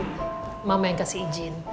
mama yang kasih izin